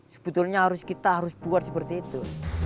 sebetulnya kita harus buat seperti itu